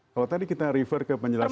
kalau tadi kita refer ke penjelasan